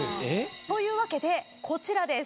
というわけでこちらです。